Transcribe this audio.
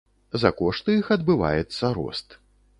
За кошт іх адбываецца рост.